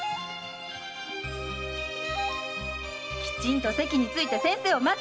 きちんと席について先生を待つ！